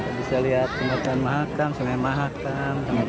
bisa lihat sumatera mahakam sumatera mahakam